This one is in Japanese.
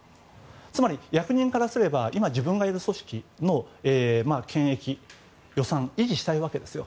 つまり役人からすれば今、自分がいる組織の権益、予算を維持したいわけですよ。